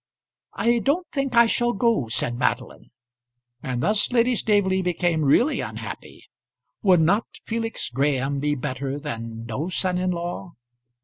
"I don't think I shall go," said Madeline; and thus Lady Staveley became really unhappy. Would not Felix Graham be better than no son in law?